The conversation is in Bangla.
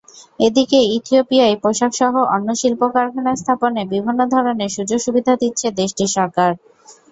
এদিকে ইথিওপিয়ায় পোশাকসহ অন্য শিল্পকারখানা স্থাপনে বিভিন্ন ধরনের সুযোগ-সুবিধা দিচ্ছে দেশটির সরকার।